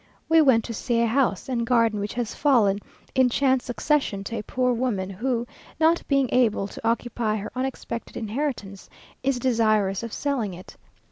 _ We went to see a house and garden which has fallen, in chance succession, to a poor woman, who, not being able to occupy her unexpected inheritance, is desirous of selling it.